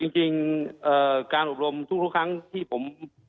จริงการอบรมทุกครั้งที่ผม